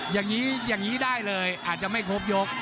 อย่างนี้อย่างนี้ได้เลยอาจจะไม่ครบยก